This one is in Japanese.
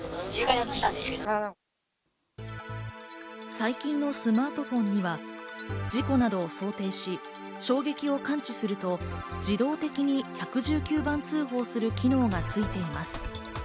最近のスマートフォンには事故などを想定し、衝撃を感知すると自動的に１１９番通報する機能がついています。